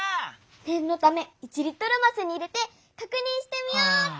ねんのため１リットルますに入れてかくにんしてみようっと！